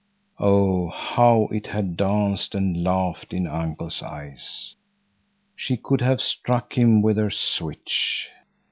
Oh, how it had danced and laughed in uncle's eyes! She could have struck him with her switch.